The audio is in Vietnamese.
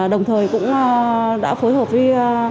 đồng thời cũng đã phối hợp với